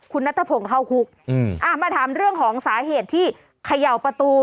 คุณนัทพงศ์เข้าคุกอืมอ่ามาถามเรื่องของสาเหตุที่เขย่าประตู